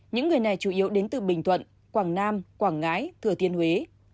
những người này chủ yếu đến từ bình thuận quảng nam quảng ngãi thừa thiên huế